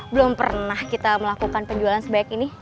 belum pernah kita melakukan penjualan sebaik ini